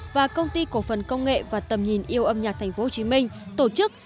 và công ty cổ phần công nghệ và tầm nhìn yêu âm nhạc tp hcm tổ chức